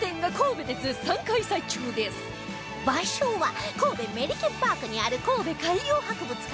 場所は神戸メリケンパークにある神戸海洋博物館